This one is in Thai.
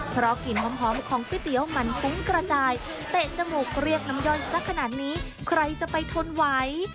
เพราะกลิ่นหอมของก๋วยเตี๋ยวมันฟุ้งกระจายเตะจมูกเรียกน้ำย่อนสักขนาดนี้ใครจะไปทนไหว